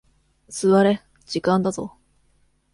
座れ、時間だぞ。